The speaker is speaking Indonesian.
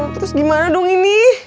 terus gimana dong ini